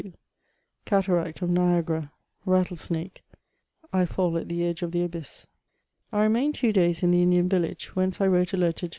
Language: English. CATARACT OP NIAGARA — RATTLESNAKE — ^I FALL AT THE EDGE OP THE ABYSS. I REMAINED two days in the Indian village, whence I wrote a letter to M.